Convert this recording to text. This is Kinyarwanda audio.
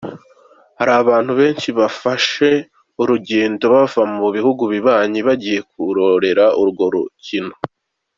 Hari abantu benshi bafashe urugendo bava mu bihugu bibanyi bagiye kurorera urwo rukino.